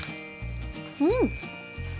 うん！